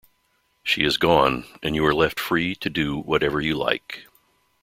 She has gone, and you are left free to do whatever you like.